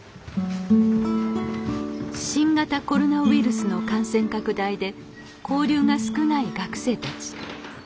新型コロナウイルスの感染拡大で交流が少ない学生たち。